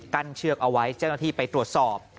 เชือกเอาไว้เจ้าหน้าที่ไปตรวจสอบ